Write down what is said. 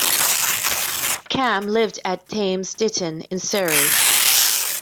Camm lived at Thames Ditton in Surrey.